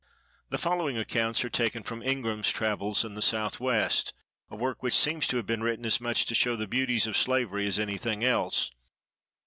The following accounts are taken from "Ingraham's Travels in the South west," a work which seems to have been written as much to show the beauties of slavery as anything else.